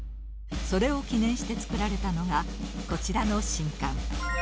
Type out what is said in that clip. それを記念して造られたのがこちらの新館。